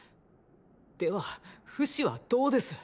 ではフシはどうです。